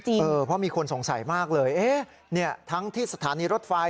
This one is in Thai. ประมูลกันจริงเออเพราะมีคนสงสัยมากเลยเนี่ยทั้งที่สถานีรถไฟ